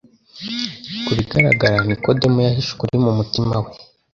Ku bigaragara, Nikodemu yahishe ukuri mu mutima we